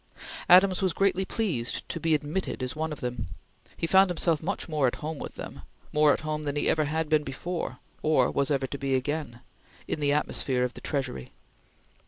Adams was greatly pleased to be admitted as one of them. He found himself much at home with them more at home than he ever had been before, or was ever to be again in the atmosphere of the Treasury.